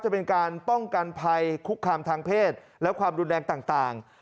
จะเป็นการป้องกันภัยคุกคามทางเพศและความรุนแรงต่าง